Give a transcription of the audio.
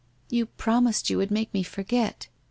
' You promised you would make me forget.